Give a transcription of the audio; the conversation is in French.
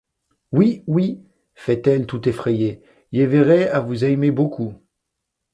Oui! oui ! feit-elle tout effrayée, ie verrai à vous aymer beaucoup.